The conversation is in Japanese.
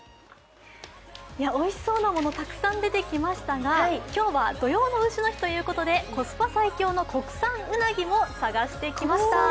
おいしそうなものたくさん出てきましたが、今日は土用の丑の日ということでコスパ最強の国産うなぎも探してきました。